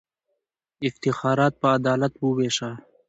افتخارات په عدالت ووېشه.